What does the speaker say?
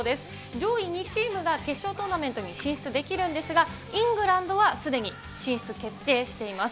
上位２チームが決勝トーナメントに進出できるんですが、イングランドはすでに進出決定しています。